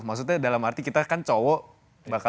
maksudnya dalam arti kita kan cowok